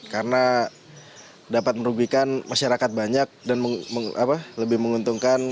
karena dapat merugikan masyarakat banyak dan lebih menguntungkan